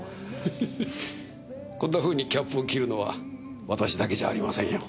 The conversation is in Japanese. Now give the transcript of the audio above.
フフフこんなふうにキャップを切るのは私だけじゃありませんよ。